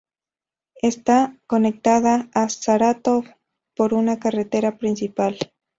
Está conectada a Sarátov por una carretera principal.